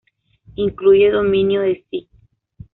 Incluye dominio de sí.